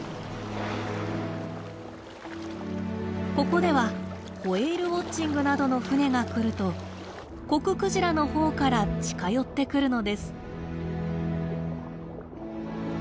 ここではホエールウォッチングなどの船が来るとコククジラのほうから近寄ってくるのです。